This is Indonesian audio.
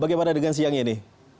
bagaimana dengan siang ini